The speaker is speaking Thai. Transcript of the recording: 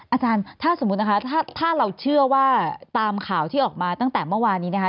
อาจารย์ถ้าสมมุตินะคะถ้าเราเชื่อว่าตามข่าวที่ออกมาตั้งแต่เมื่อวานนี้นะคะ